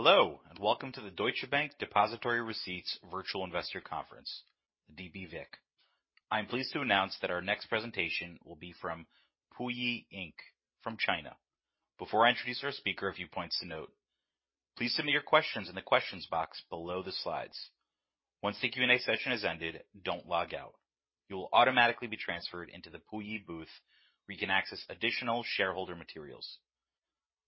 Hello, and welcome to the Deutsche Bank Depository Receipts Virtual Investor Conference, DBVIC. I'm pleased to announce that our next presentation will be from Puyi Inc. from China. Before I introduce our speaker, a few points to note. Please submit your questions in the questions box below the slides. Once the Q&A session has ended, don't log out. You will automatically be transferred into the Puyi booth, where you can access additional shareholder materials.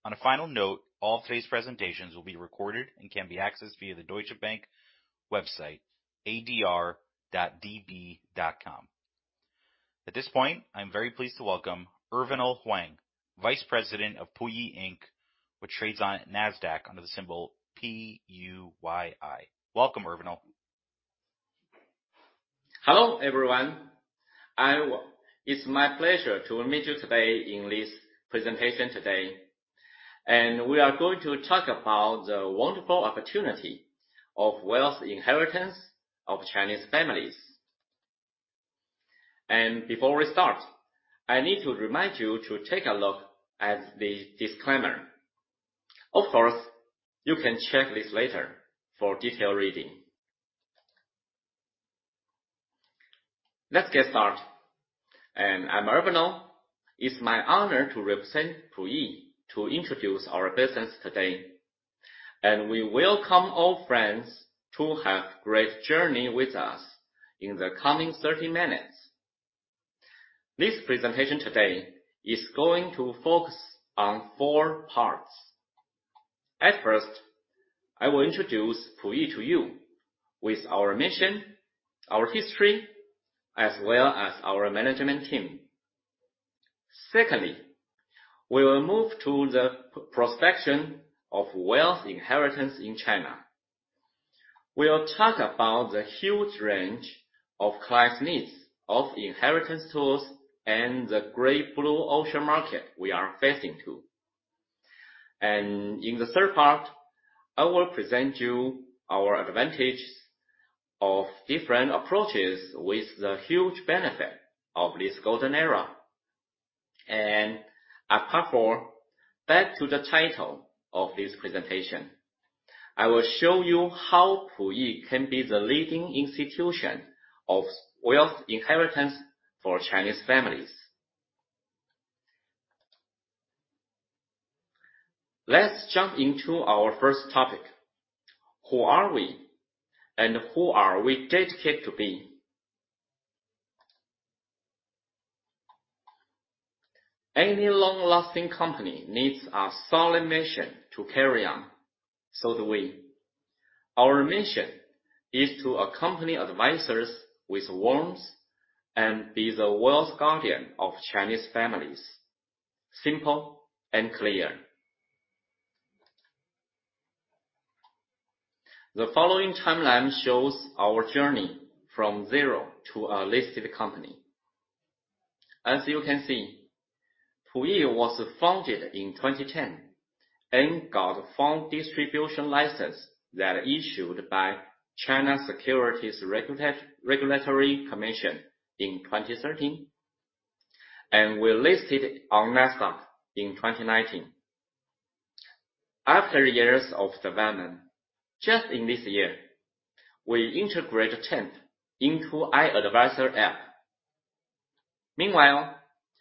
On a final note, all today's presentations will be recorded and can be accessed via the Deutsche Bank website, adr.db.com. At this point, I'm very pleased to welcome Irvinal Huang, Vice President of Puyi Inc., which trades on Nasdaq under the symbol P-U-Y-I. Welcome, Irvinal. Hello, everyone. It's my pleasure to meet you today in this presentation today. We are going to talk about the wonderful opportunity of wealth inheritance of Chinese families. Before we start, I need to remind you to take a look at the disclaimer. Of course, you can check this later for detailed reading. Let's get started. I'm Irvinal. It's my honor to represent Puyi to introduce our business today. We welcome all friends to have great journey with us in the coming 30 minutes. This presentation today is going to focus on four parts. At first, I will introduce Puyi to you with our mission, our history, as well as our management team. Secondly, we will move to the prospects of wealth inheritance in China. We'll talk about the huge range of clients' needs of inheritance tools and the Great Blue Ocean market we are facing to. In the third part, I will present you our advantages of different approaches with the huge benefit of this golden era. At part four, back to the title of this presentation, I will show you how Puyi can be the leading institution of wealth inheritance for Chinese families. Let's jump into our first topic. Who are we and who are we dedicated to be? Any long-lasting company needs a solid mission to carry on, so do we. Our mission is to accompany advisors with warmth and be the wealth guardian of Chinese families. Simple and clear. The following timeline shows our journey from zero to a listed company. As you can see, Puyi was founded in 2010 and got fund distribution license that issued by China Securities Regulatory Commission in 2013, and we're listed on Nasdaq in 2019. After years of development, just in this year, we integrated TAMP into iAdvisor app. Meanwhile,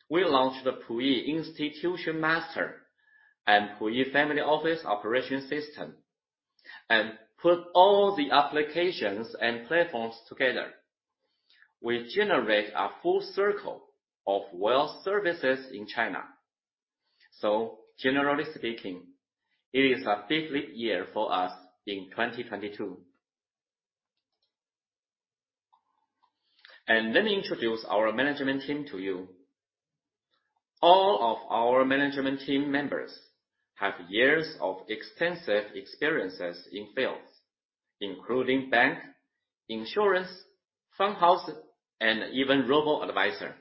we launched the Puyi Institution Master and Puyi family office operation system and put all the applications and platforms together. We generate a full circle of wealth services in China. Generally speaking, it is a big leap year for us in 2022. Let me introduce our management team to you. All of our management team members have years of extensive experiences in fields including bank, insurance, fund house, and even robo-advisor,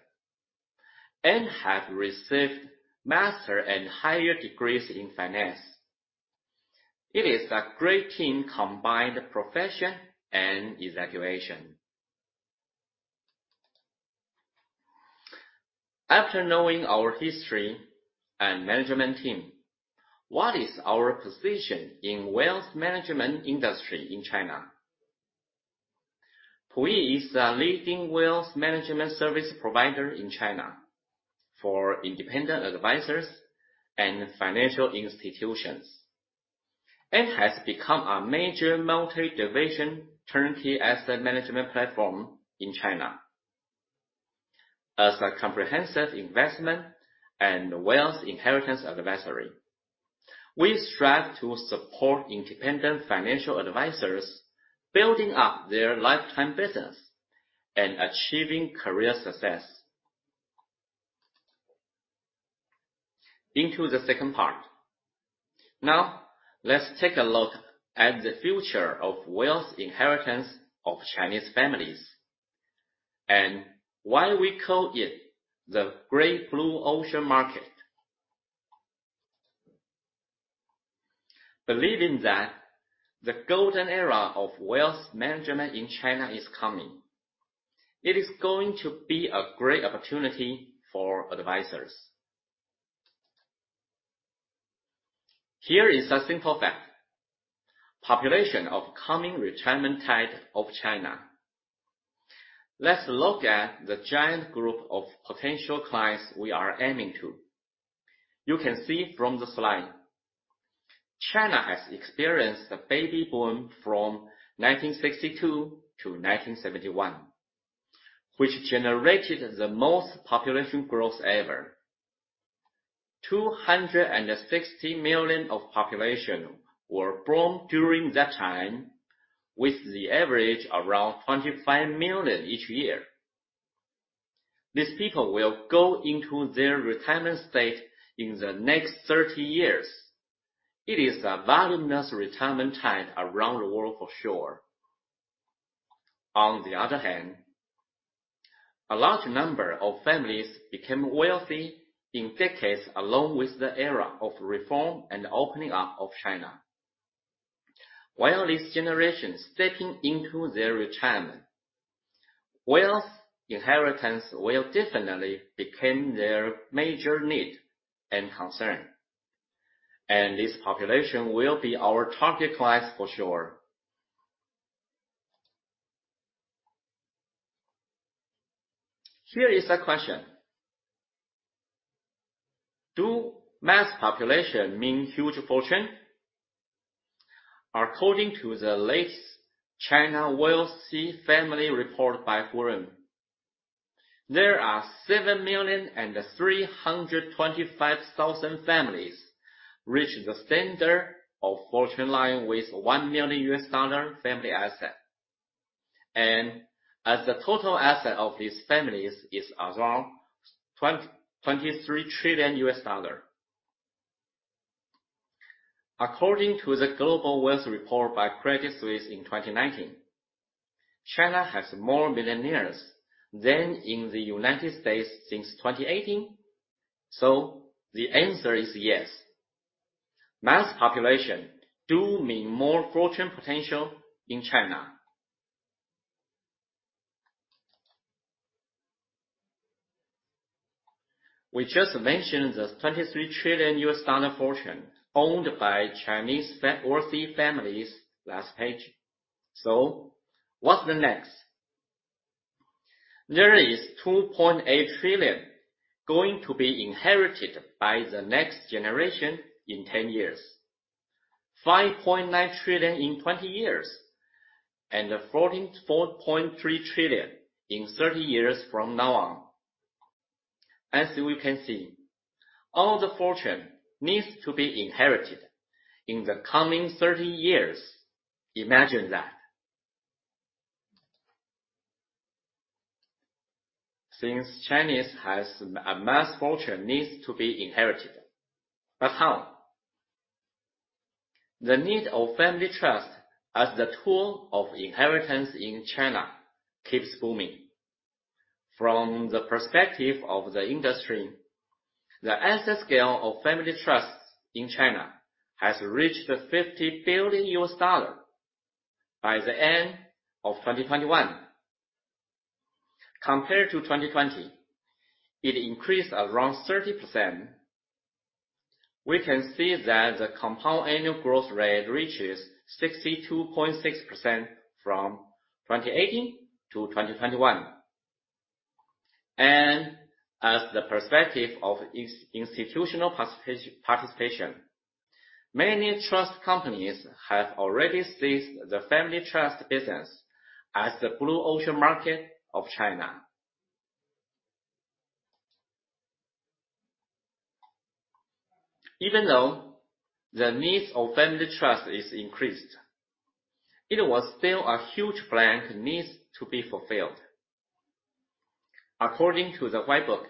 and have received master and higher degrees in finance. It is a great team combined profession and innovation. After knowing our history and management team, what is our position in wealth management industry in China? Puyi is a leading wealth management service provider in China for independent advisors and financial institutions. It has become a major multi-division turnkey asset management platform in China. As a comprehensive investment and wealth inheritance advisory, we strive to support independent financial advisors building up their lifetime business and achieving career success. Into the second part. Now, let's take a look at the future of wealth inheritance of Chinese families and why we call it the Great Blue Ocean market. Believing that the golden era of wealth management in China is coming. It is going to be a great opportunity for advisors. Here is a simple fact. Population of coming retirement tide of China. Let's look at the giant group of potential clients we are aiming to. You can see from the slide, China has experienced a baby boom from 1962 to 1971, which generated the most population growth ever. 260 million of population were born during that time, with the average around 25 million each year. These people will go into their retirement state in the next 30 years. It is a voluminous retirement tide around the world for sure. On the other hand, a large number of families became wealthy in decades along with the era of reform and opening up of China. While this generation stepping into their retirement, wealth inheritance will definitely become their major need and concern, and this population will be our target clients for sure. Here is a question. Do mass population mean huge fortune? According to the latest China Wealthy Family Report by Hurun, there are 7,325,000 families reach the standard of fortune line with $1 million family asset. As the total asset of these families is around $23 trillion. According to the Global Wealth Report by Credit Suisse in 2019, China has more millionaires than in the United States since 2018. The answer is yes. Mass population do mean more fortune potential in China. We just mentioned the $23 trillion fortune owned by Chinese wealthy families last page. What's the next? There is $2.8 trillion going to be inherited by the next generation in 10 years, $5.9 trillion in 20 years, and $44.3 trillion in 30 years from now on. As we can see, all the fortune needs to be inherited in the coming 30 years. Imagine that. Since Chinese has a mass fortune needs to be inherited. How? The need of family trust as the tool of inheritance in China keeps booming. From the perspective of the industry, the asset scale of family trusts in China has reached $50 billion by the end of 2021. Compared to 2020, it increased around 30%. We can see that the compound annual growth rate reaches 62.6% from 2018 to 2021. As the perspective of institutional participation, many trust companies have already seized the family trust business as the blue ocean market of China. Even though the needs of family trust is increased, it was still a huge blank needs to be fulfilled. According to the Whitebook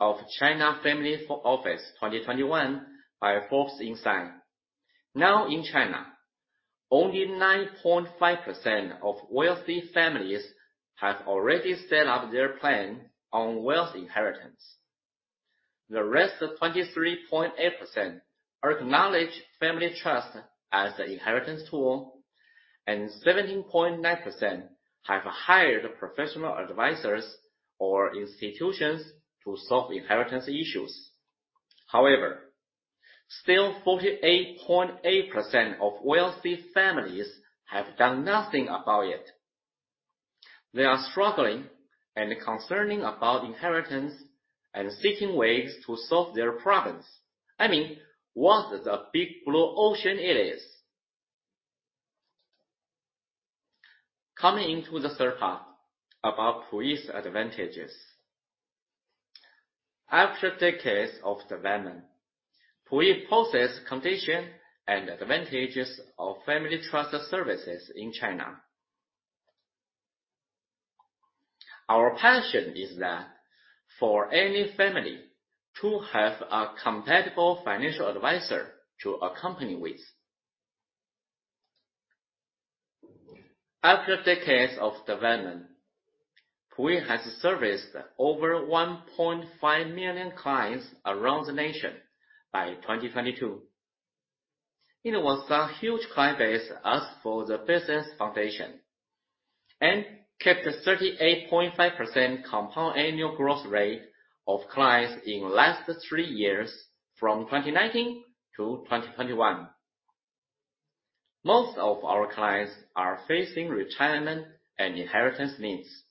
of China Family Office 2021 by Forbes Insights, now in China, only 9.5% of wealthy families have already set up their plan on wealth inheritance. The rest, 23.8% acknowledge family trust as the inheritance tool, and 17.9% have hired professional advisors or institutions to solve inheritance issues. However, still 48.8% of wealthy families have done nothing about it. They are struggling and concerning about inheritance and seeking ways to solve their problems. I mean, what a big blue ocean it is. Coming into the third part about Puyi's advantages. After decades of development, Puyi possesses conditions and advantages of family trust services in China. Our passion is that for any family to have a compatible financial advisor to accompany with. After decades of development, Puyi has serviced over 1.5 million clients around the nation by 2022. It was a huge client base as for the business foundation, and kept 38.5% compound annual growth rate of clients in last three years from 2019 to 2021. Most of our clients are facing retirement and inheritance needs.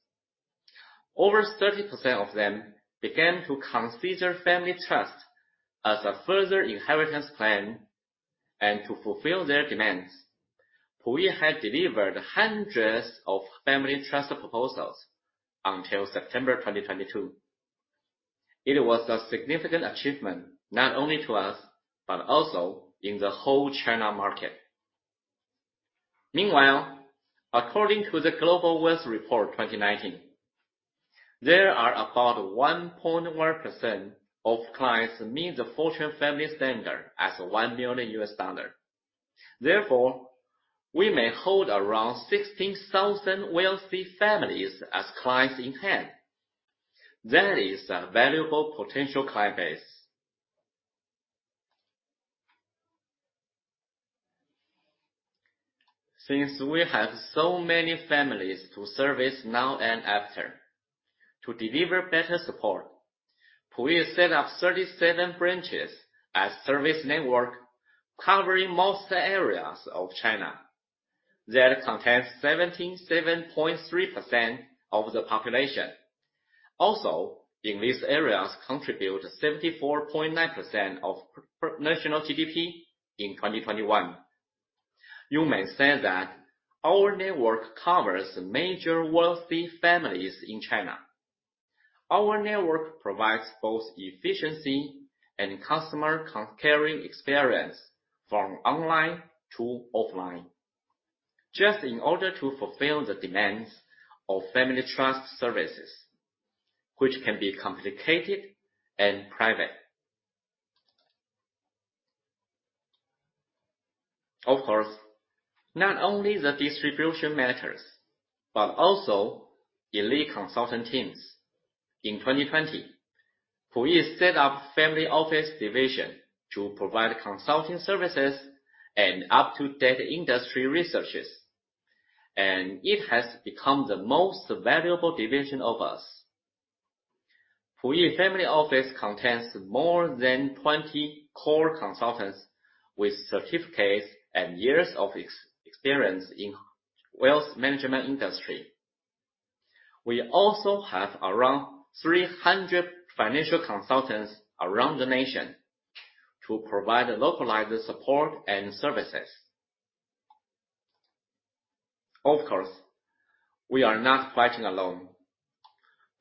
Over 30% of them began to consider family trust as a further inheritance plan and to fulfill their demands. Puyi had delivered hundreds of family trust proposals until September 2022. It was a significant achievement, not only to us, but also in the whole China market. Meanwhile, according to the Global Wealth Report 2019, there are about 1.1% of clients meet the fortune family standard as $1 million. Therefore, we may hold around 16,000 wealthy families as clients in hand. That is a valuable potential client base. Since we have so many families to service now and after, to deliver better support, Puyi set up 37 branches as service network covering most areas of China. That contains 77.3% of the population. Also, in these areas contribute 74.9% of national GDP in 2021. You may say that our network covers major wealthy families in China. Our network provides both efficiency and customer care experience from online to offline, just in order to fulfill the demands of family trust services, which can be complicated and private. Of course, not only the distribution matters, but also elite consultant teams. In 2020, Puyi set up family office division to provide consulting services and up-to-date industry researches, and it has become the most valuable division of us. Puyi Family Office contains more than 20 core consultants with certificates and years of experience in wealth management industry. We also have around 300 financial consultants around the nation to provide localized support and services. Of course, we are not fighting alone.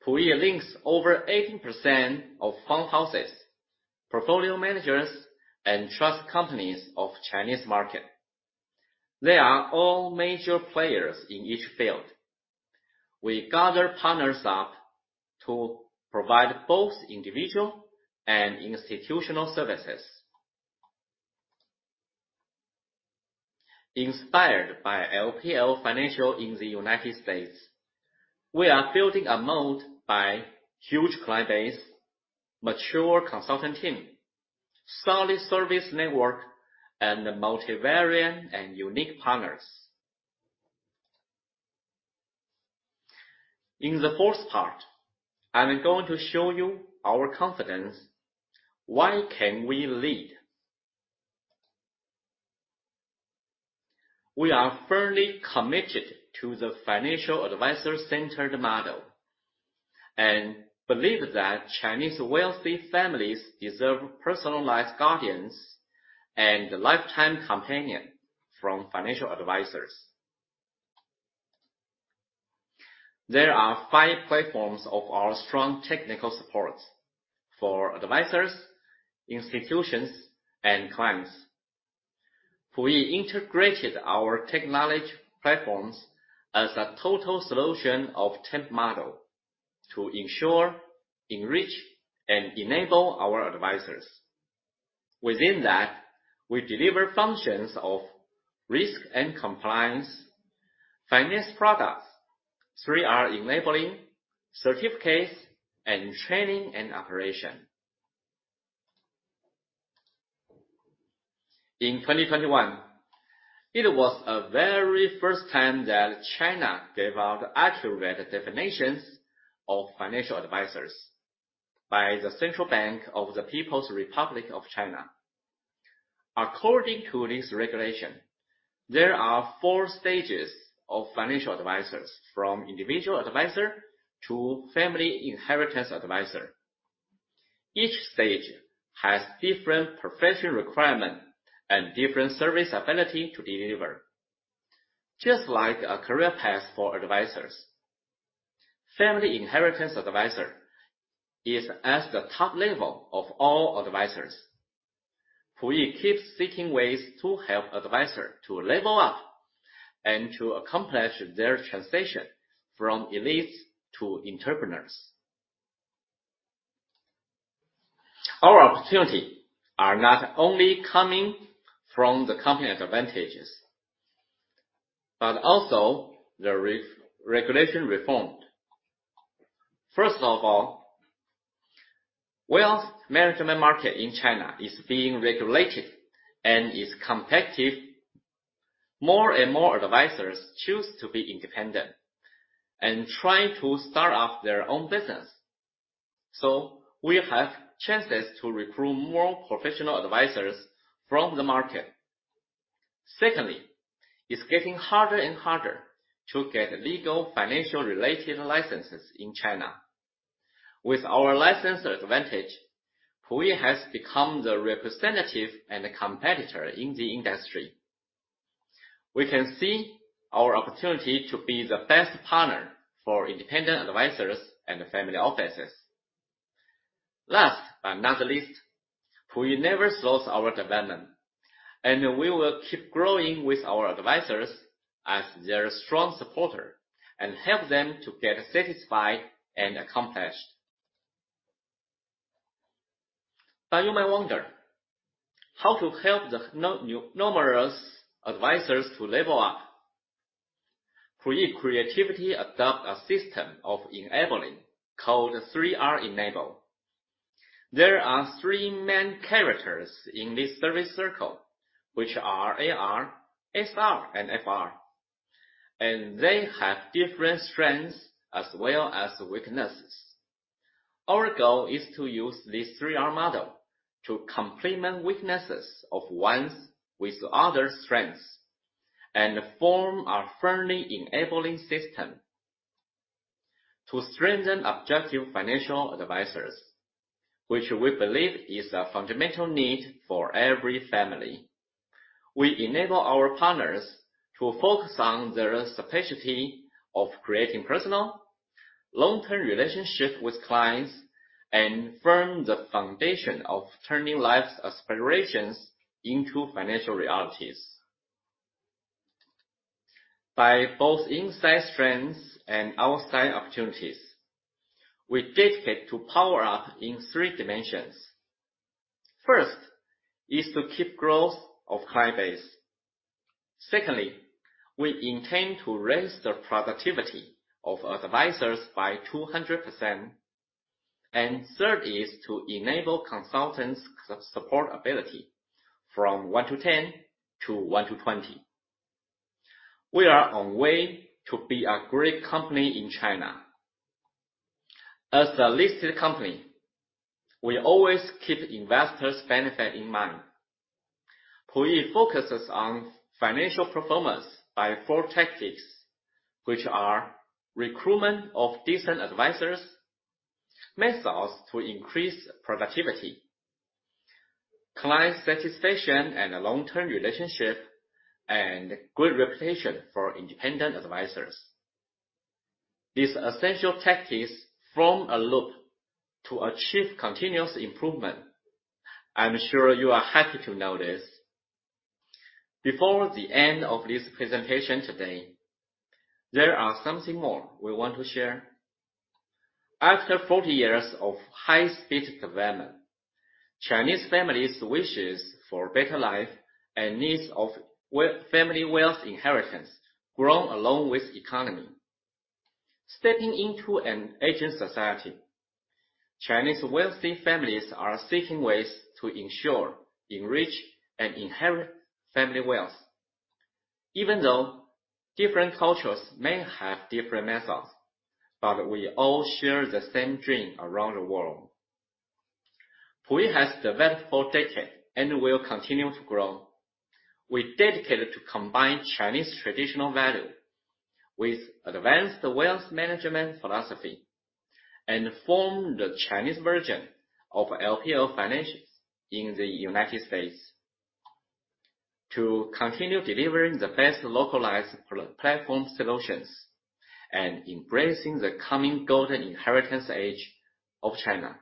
Puyi links over 80% of fund houses, portfolio managers, and trust companies of Chinese market. They are all major players in each field. We gather partners up to provide both individual and institutional services. Inspired by LPL Financial in the United States, we are building a moat by huge client base, mature consultant team, solid service network, and multivariate and unique partners. In the fourth part, I'm going to show you our confidence. Why can we lead? We are firmly committed to the financial advisor-centered model, and believe that Chinese wealthy families deserve personalized guardians and lifetime companion from financial advisors. There are five platforms of our strong technical support for advisors, institutions, and clients. Puyi integrated our technology platforms as a total solution of TAMP model to ensure, enrich, and enable our advisors. Within that, we deliver functions of risk and compliance, financial products, 3R enabling, certificates, and training and operation. In 2021, it was a very first time that China gave out accurate definitions of financial advisors by the People's Bank of China. According to this regulation, there are four stages of financial advisors, from individual advisor to family inheritance advisor. Each stage has different professional requirement and different service ability to deliver, just like a career path for advisors. Family inheritance advisor is at the top level of all advisors. Puyi keeps seeking ways to help advisor to level up and to accomplish their transition from elites to entrepreneurs. Our opportunity are not only coming from the company's advantages, but also the regulatory reform. First of all, wealth management market in China is being regulated and is competitive. More and more advisors choose to be independent and try to start up their own business. We have chances to recruit more professional advisors from the market. Secondly, it's getting harder and harder to get legal financial related licenses in China. With our license advantage, Puyi has become the representative and competitor in the industry. We can see our opportunity to be the best partner for independent advisors and family offices. Last but not the least, Puyi never slows our development, and we will keep growing with our advisors as their strong supporter and help them to get satisfied and accomplished. You may wonder, how to help the numerous advisors to level up? Puyi creatively adopts a system of enabling called 3R Enable. There are three main characters in this service circle, which are AR, SR, and FR, and they have different strengths as well as weaknesses. Our goal is to use this 3R model to complement weaknesses of ones with others' strengths and form a friendly enabling system. To strengthen objective financial advisors, which we believe is a fundamental need for every family. We enable our partners to focus on their specialty of creating personal long-term relationship with clients and form the foundation of turning life's aspirations into financial realities. By both inside strengths and outside opportunities, we dedicate to power up in three dimensions. First, is to keep growth of client base. Secondly, we intend to raise the productivity of advisors by 200%. Third is to enable consultants' support ability from one to 10 to one to 20. We are on our way to be a great company in China. As a listed company, we always keep investors' benefit in mind. Puyi focuses on financial performance by four tactics, which are recruitment of decent advisors, methods to increase productivity, client satisfaction and a long-term relationship, and good reputation for independent advisors. These essential tactics form a loop to achieve continuous improvement. I'm sure you are happy to know this. Before the end of this presentation today, there are something more we want to share. After 40 years of high-speed development, Chinese families wishes for better life and needs of family wealth inheritance grown along with economy. Stepping into an aging society, Chinese wealthy families are seeking ways to ensure, enrich, and inherit family wealth. Even though different cultures may have different methods, but we all share the same dream around the world. Puyi has developed for a decade and will continue to grow. We are dedicated to combine Chinese traditional value with advanced wealth management philosophy and form the Chinese version of LPL Financial in the United States. To continue delivering the best localized platform solutions and embracing the coming golden inheritance age of China,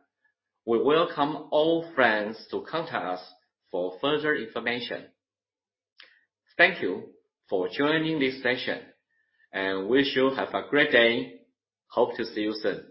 we welcome all friends to contact us for further information. Thank you for joining this session and wish you have a great day. Hope to see you soon.